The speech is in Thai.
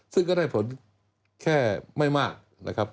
ซึ่งก็ได้ผลแค่ไม่มากนะครับ